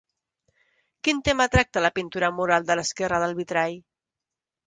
Quin tema tracta la pintura mural de l'esquerra del vitrall?